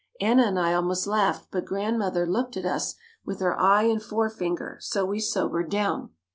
Anna and I almost laughed but Grandmother looked at us with her eye and forefinger so we sobered down.